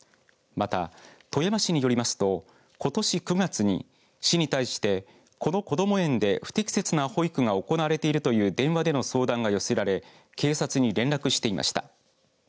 また、富山市によりますとことし９月に市に対してこのこども園で不適切な保育が行われているという電話での相談が寄せられ警察に連絡していました。